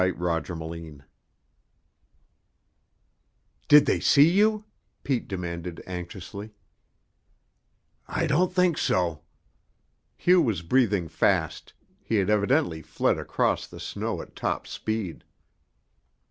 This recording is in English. CHAPTER VII "Did they see you?" Pete demanded anxiously. "I don't think so." Hugh was breathing fast; he had evidently fled across the snow at top speed.